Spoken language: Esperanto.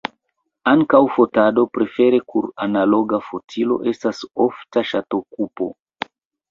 Ankaŭ fotado, prefere kun analoga fotilo, estas ofta ŝatokupo.